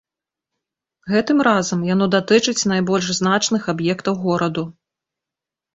Гэтым разам яно датычыць найбольш значных аб'ектаў гораду.